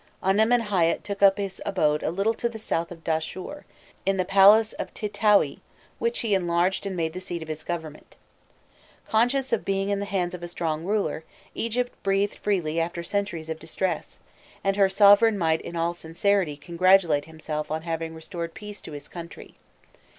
Amenemhâît took up his abode a little to the south of Dahshur, in the palace of Titoûi, which he enlarged and made the seat of his government. Conscious of being in the hands of a strong ruler, Egypt breathed freely after centuries of distress, and her sovereign might in all sincerity congratulate himself on having restored peace to his country.